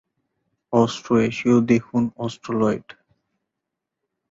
অস্ট্রো-এশীয় দেখুন অস্ট্রোলয়েড।